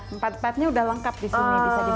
empat empatnya udah lengkap disini bisa dibaca ini